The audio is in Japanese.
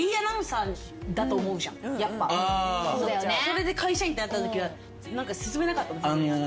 それで会社員ってなったときは何か勧めなかったの？